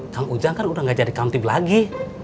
kang ujang kan udah gak jadi kamtib lagi